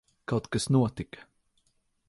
Kaut kas notika.